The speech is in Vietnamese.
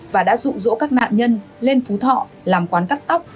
và đã dụ dỗ các nạn nhân lên phú thọ làm quán cắt tóc